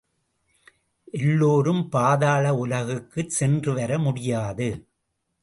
எல்லோரும் பாதாள உலகுக்குச் சென்று வர முடியாது.